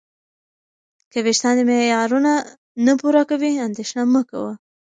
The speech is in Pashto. که وېښتان دې معیارونه نه پوره کوي، اندېښنه مه کوه.